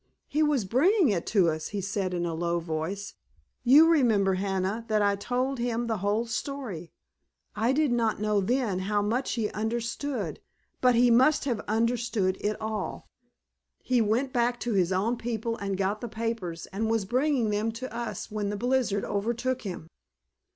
"He was bringing it to us," he said in a low voice. "You remember, Hannah, that I told him the whole story. I did not know then how much he understood. But he must have understood it all. He went back to his own people and got the papers, and was bringing them to us when the blizzard overtook him.